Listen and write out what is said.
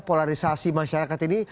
polarisasi masyarakat ini